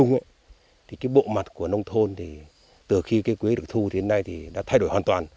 toàn bộ đồng bào giao ở xóm này là nói chung bộ mặt của nông thôn từ khi cây quế được thu đến nay đã thay đổi hoàn toàn